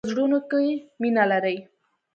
په زړونو کې مینه لری.